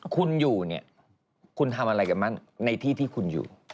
คุณอยู่เนี่ยคุณทำอะไรกับมั่นในที่ที่คุณอยู่